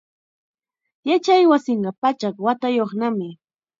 Yachaywasinqa pachak watayuqnami.